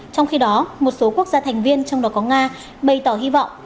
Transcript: trong khi đó một số quốc gia thành viên trong đó có nga bày tỏ hy vọng